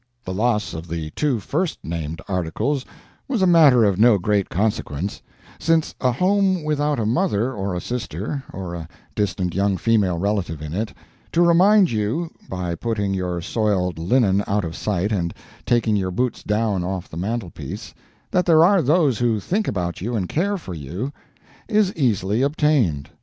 The loss of the two first named articles was a matter of no great consequence, since a home without a mother, or a sister, or a distant young female relative in it, to remind you, by putting your soiled linen out of sight and taking your boots down off the mantelpiece, that there are those who think about you and care for you, is easily obtained.